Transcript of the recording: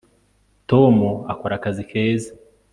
tom akora akazi keza